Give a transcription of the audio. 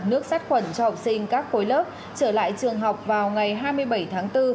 nước sát khuẩn cho học sinh các khối lớp trở lại trường học vào ngày hai mươi bảy tháng bốn